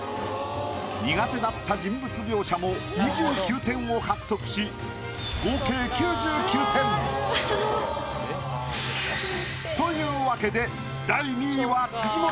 苦手だった人物描写も２９点を獲得し合計９９点。というわけで。